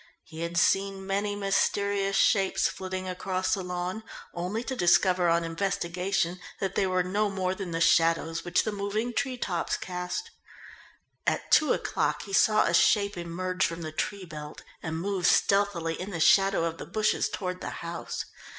He had seen many mysterious shapes flitting across the lawn, only to discover on investigation that they were no more than the shadows which the moving tree tops cast. At two o'clock he saw a shape emerge from the tree belt and move stealthily in the shadow of the bushes toward the house.